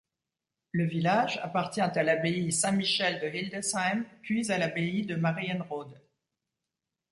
Le village appartient à l'abbaye Saint-Michel de Hildesheim puis à l'abbaye de Marienrode.